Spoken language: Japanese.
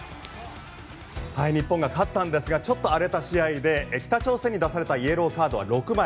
日本が勝ったんですがちょっと荒れた試合で北朝鮮に出されたイエローカードは６枚。